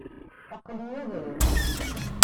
Aqli-iyi ad ruḥeɣ.